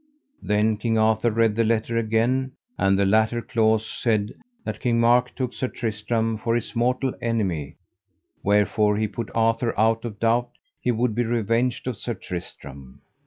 Then King Arthur read the letter again, and the latter clause said that King Mark took Sir Tristram for his mortal enemy; wherefore he put Arthur out of doubt he would be revenged of Sir Tristram.